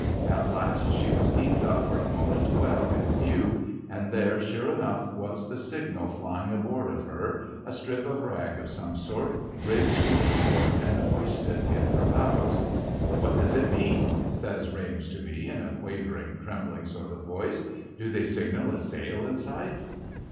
At last, she was heaved up for a moment well in view, and there, sure enough, was the signal flying aboard of her— a strip of rag of some sort, rigged to an oar, and hoisted in her bows. ' What does it mean?' says Rames to me in a quavering, trem bling sort of voice. ' Do they signal a sail in sight